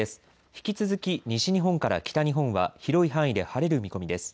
引き続き西日本から北日本は広い範囲で晴れる見込みです。